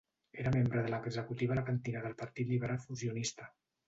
Era membre de l'executiva alacantina del Partit Liberal Fusionista.